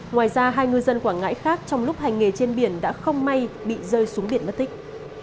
ngoài ra hai ngư dân quảng ngãi khác trong lúc hành nghề trên biển đã không may bị rơi xuống biển mất tích